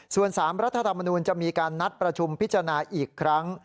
ส่วน๓รัฐธรรมนูญจะมีการนัดประชุมพิจารณาอีกครั้ง